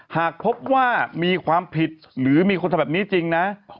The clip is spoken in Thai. หากพบว่ามีความผิดหรือมีคนทำแบบนี้จริงนะ